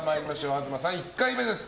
東さん、１回目です。